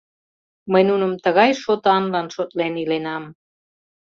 Мый нуным тыгай шотанлан шотлен иленам...